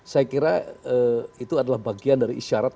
saya kira itu adalah bagian dari isyarat